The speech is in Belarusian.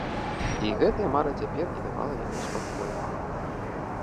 І гэтая мара цяпер не давала яму спакою.